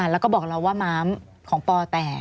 แล้วก็บอกเราว่าม้ามของปอแตก